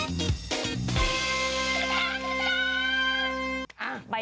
ต้นจักริด